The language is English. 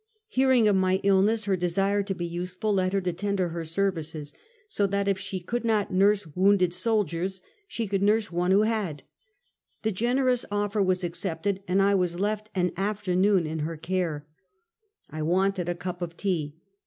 Hearing of my illness, her desire to be useful led her to tender her services, so that if she could not nurse wounded soldiers she could nurse one who had. The generous offer w^as accepted, and I was left an after noon in her care. I wanted a cup of tea.